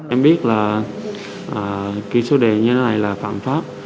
em biết là cái số đề như thế này là phản pháp